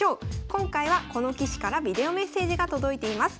今回はこの棋士からビデオメッセージが届いています。